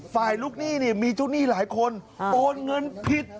ลูกหนี้มีเจ้าหนี้หลายคนโอนเงินผิด